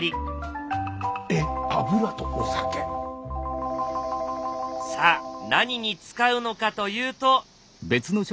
え油とお酒⁉さあ何に使うのかというと。